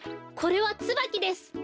これはつばきです。